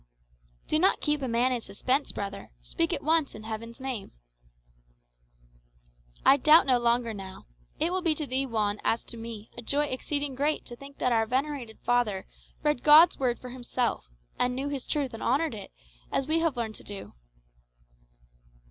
"Do not keep a man in suspense, brother. Speak at once, in Heaven's name." "I doubt no longer now. It will be to thee, Juan, as to me, a joy exceeding great to think that our venerated father read God's Word for himself, and knew his truth and honoured it, as we have learned to do."